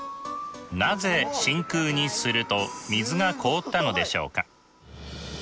なぜ真空にすると水が凍ったのでしょうか？